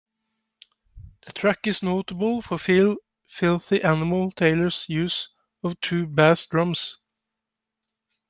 The track is notable for Phil "Philthy Animal" Taylor's use of two bass drums.